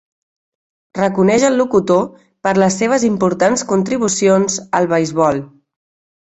Reconeix al locutor per les seves "importants contribucions al beisbol".